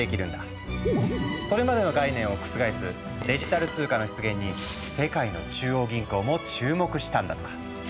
それまでの概念を覆すデジタル通貨の出現に世界の中央銀行も注目したんだとか。